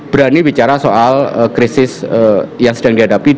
berani bicara soal krisis yang sedang dihadapi